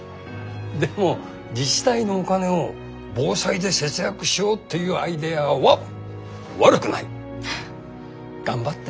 でも自治体のお金を防災で節約しようっていうアイデアは悪くない！頑張って。